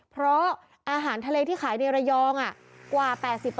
เพราะอาหารทะเลที่ขายในระยองกว่า๘๐